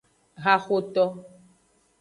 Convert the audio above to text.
Haxoto.